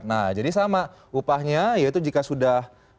nah jadi sama upahnya yaitu jika sudah